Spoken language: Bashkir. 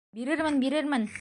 Бирермен, бирермен.